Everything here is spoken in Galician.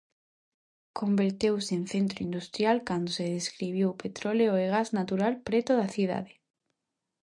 Converteuse en centro industrial cando se descubriu petróleo e gas natural preto da cidade.